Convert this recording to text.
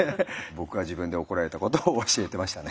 僕が自分で怒られたことを教えてましたね。